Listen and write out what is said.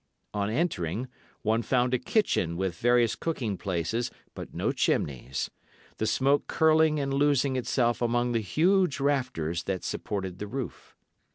On entering, one found a kitchen with various cooking places, but no chimneys: the smoke curling and losing itself among the huge rafters that supported the roof.